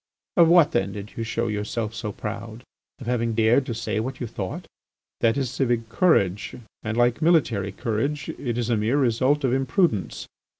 Of what then did you show yourself so proud? Of having dared to say what you thought? That is civic courage, and, like military courage, it is a mere result of imprudence.